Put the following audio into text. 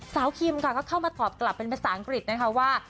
คิมค่ะก็เข้ามาตอบกลับเป็นภาษาอังกฤษนะคะว่า